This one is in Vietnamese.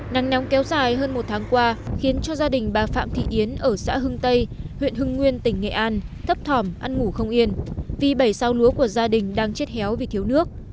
nắng nóng kéo dài hơn một tháng qua khiến cho gia đình bà phạm thị yến ở xã hưng tây huyện hưng nguyên tỉnh nghệ an thấp thỏm ăn ngủ không yên vì bảy sao lúa của gia đình đang chết héo vì thiếu nước